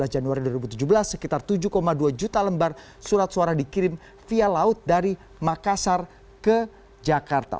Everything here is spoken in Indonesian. dua belas januari dua ribu tujuh belas sekitar tujuh dua juta lembar surat suara dikirim via laut dari makassar ke jakarta